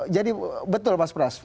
jadi betul pak pras